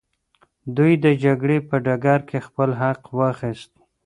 دوی د جګړې په ډګر کي خپل حق واخیست.